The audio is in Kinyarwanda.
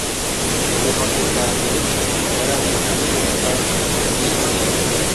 Uruhago rwanjye ruto mpora niruka mu bwiherero.